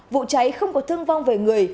vụ cháy không có thương vong về người